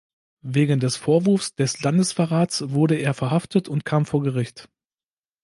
Wegen des Vorwurfs des Landesverrats wurde er verhaftet und kam vor Gericht.